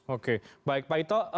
oke baik pak ito